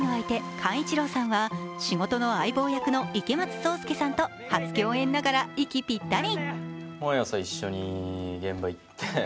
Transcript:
寛一郎さんは仕事の相棒役の池松壮亮さんと初共演ながら息ぴったり。